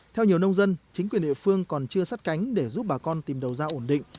theo nhiều nông dân chính quyền địa phương còn chưa sát cánh để giúp bà con tìm đầu ra ổn định